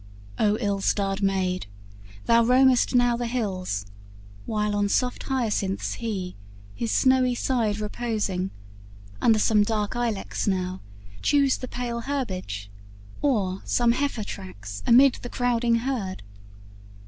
O ill starred maid! thou roamest now the hills, While on soft hyacinths he, his snowy side Reposing, under some dark ilex now Chews the pale herbage, or some heifer tracks Amid the crowding herd.